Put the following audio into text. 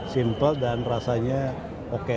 simpel dan rasanya oke